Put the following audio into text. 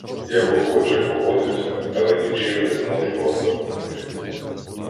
— Я б охоче погодився, але нічим не зможу вам допомогти.